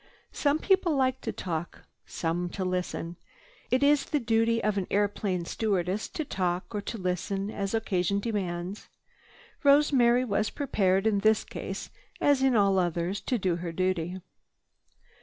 Some people like to talk, some to listen. It is the duty of an airplane stewardess to talk or to listen as occasion demands. Rosemary was prepared in this case, as in all others, to do her duty.